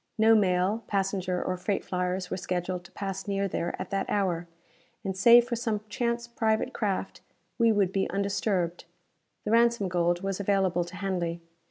No mail, passenger or freight flyers were scheduled to pass near there at that hour, and, save for some chance private craft, we would be undisturbed. The ransom gold was available to Hanley.